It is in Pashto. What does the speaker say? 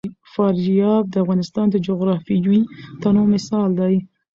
فاریاب د افغانستان د جغرافیوي تنوع مثال دی.